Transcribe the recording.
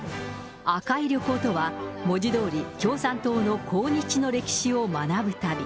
紅い旅行とは、文字どおり、共産党の抗日の歴史を学ぶ旅。